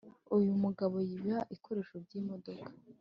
uyumugabo yiba ikoresho byimodoka